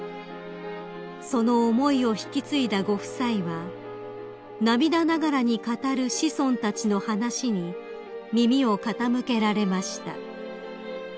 ［その思いを引き継いだご夫妻は涙ながらに語る子孫たちの話に耳を傾けられました］